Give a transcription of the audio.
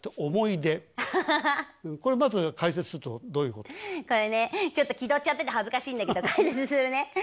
これねちょっと気取っちゃってて恥ずかしいんだけど解説するね。